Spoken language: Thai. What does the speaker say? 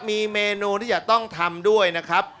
มีเมนูที่จะต้องทำด้วยนะครับ